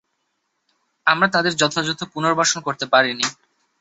আমরা তাঁদের যথাযথ পুনর্বাসন করতে পারিনি।